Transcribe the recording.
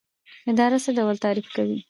اداره څه ډول تعریف کوئ؟